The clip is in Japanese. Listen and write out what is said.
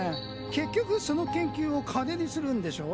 結局その研究を金にするんでしょ？